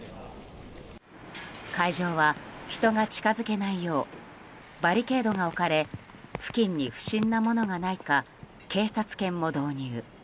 会場は、人が近づけないようバリケードが置かれ付近に不審なものがないか警察犬も導入。